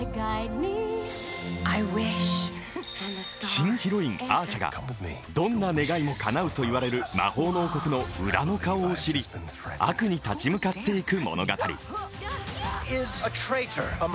新ヒロイン、アーシャがどんな願いもかなうといわれる魔法の王国の裏の顔を知り、悪に立ち向かっていく物語。